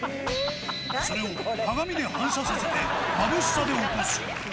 それを鏡で反射させて、まぶしさで起こす。